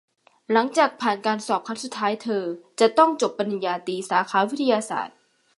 หลังจากผ่านการสอบครั้งสุดท้ายเธอจะต้องจบปริญญาตรีสาขาวิทยาศาสตร์